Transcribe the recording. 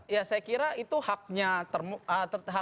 ya saya kira itu haknya termohon haknya dari termohon mengatakan